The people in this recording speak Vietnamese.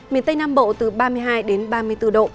miền tây nam bộ từ ba mươi hai ba mươi bốn độ